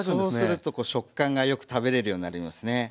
そうすると食感がよく食べれるようになりますね。